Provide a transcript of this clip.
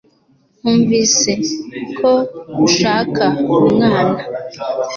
Numvise ko ushaka umwana.